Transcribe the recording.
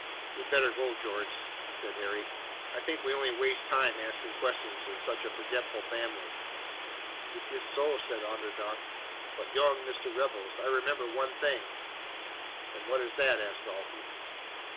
"We'd better go, George," said Harry. "I think we only waste time asking questions of such a forgetful family." "It iss so," said Onderdonk; "but, young Mister Rebels, I remember one thing." "And what is that?" asked Dalton.